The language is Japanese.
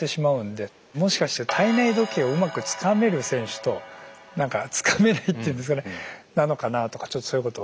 もしかして体内時計をうまくつかめる選手となんかつかめないっていうんですかねなのかなとかちょっとそういうことを。